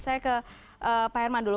saya ke pak herman dulu